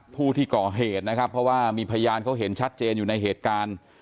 ผู้ที่ก่อเหตุนะครับเพราะว่ามีพยานเขาเห็นชัดเจนอยู่ในเหตุการณ์